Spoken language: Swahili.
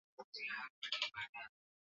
wamepigana vuta nyingi sana na wabarbaig